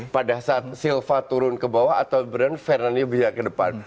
pada saat silva turun ke bawah atau brand fernalnya bisa ke depan